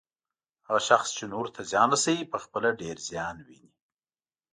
هغه شخص چې نورو ته زیان رسوي، پخپله ډیر زیان ويني